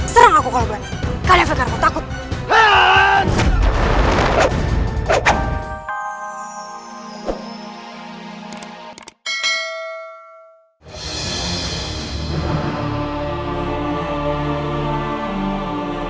serang aku kalau berani karena fekar aku takut